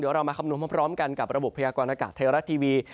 เรามาคำนวณพร้อมกันกับระบบพยากรณากาศไทยรัฐทีวี